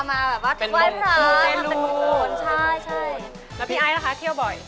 แล้วพี่อายล่ะคะเที่ยวบ่อย